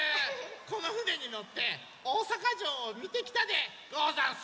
このふねにのっておおさかじょうをみてきたでござんす！